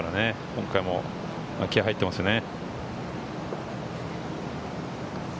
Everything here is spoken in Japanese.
今回も気合が入っていますね。